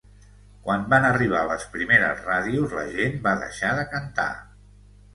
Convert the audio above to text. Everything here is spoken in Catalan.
Quan van arribar les primeres ràdios la gent va deixar de cantar